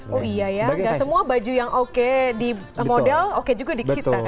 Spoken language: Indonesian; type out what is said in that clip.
oh iya ya nggak semua baju yang oke di model oke juga di kita